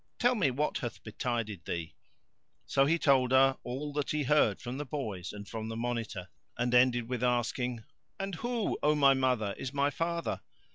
Tell me what hath betided thee?" So he told her all that he heard from the boys and from the Monitor and ended with asking, "And who, O my mother, is my father?"